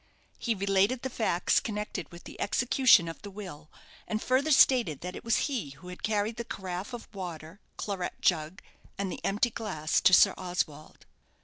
He related the facts connected with the execution of the will, and further stated that it was he who had carried the carafe of water, claret jug, and the empty glass to Sir Oswald.